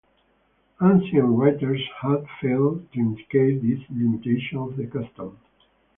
Ancient writers have failed to indicate this limitation of the custom.